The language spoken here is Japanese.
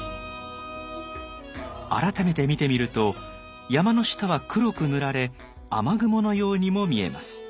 改めて見てみると山の下は黒く塗られ雨雲のようにも見えます。